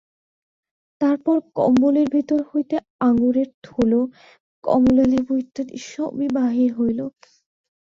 তারপর কম্বলের ভিতর হইতে আঙুরের থোলো, কমলালেবু ইত্যাদি সবই বাহির হইল।